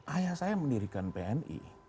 ayah saya mendirikan pni